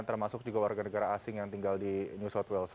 termasuk juga warga negara asing yang tinggal di new south wales